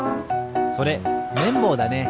それめんぼうだね。